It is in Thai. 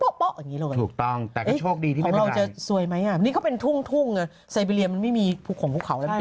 ก็เลยเป็นส่วนที่เรียกว่า